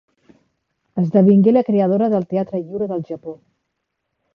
Esdevingué la creadora del Teatre Lliure del Japó.